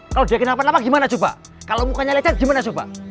kalau dia kenapa napa gimana coba kalau mukanya lecet gimana coba